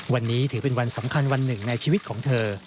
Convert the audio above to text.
วันนี้ถือเป็นวันสำคัญวันหนึ่งในชีวิตของเธอ